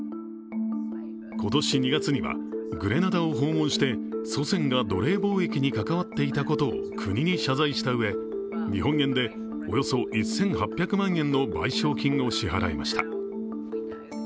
今年２月にはグレナダを訪問して、祖先が奴隷貿易に関わっていたことを国に謝罪したうえ、日本円でおよそ１８００万円の賠償金を支払いました。